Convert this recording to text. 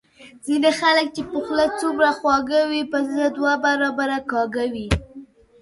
ځینی خلګ چي په خوله څومره خواږه وي په زړه دوه برابره کاږه وي